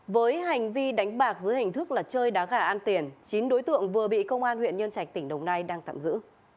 với hành vi đánh bạc dưới hình thức là chơi đá gà an tiền chín đối tượng vừa bị công an huyện nhân trạch tỉnh đồng nai đang tạm giữ